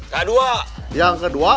kedua yang kedua